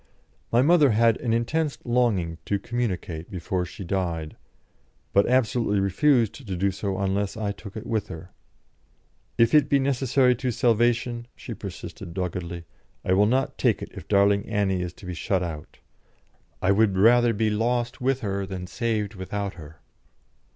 My mother had an intense longing to communicate before she died, but absolutely refused to do so unless I took it with her. "If it be necessary to salvation," she persisted, doggedly, "I will not take it if darling Annie is to be shut out. I would rather be lost with her than saved without her."